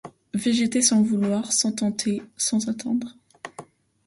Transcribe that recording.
Végéter sans vouloir, sans tenter, sans atteindre ;